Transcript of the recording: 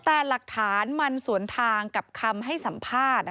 แต่หลักฐานมันสวนทางกับคำให้สัมภาษณ์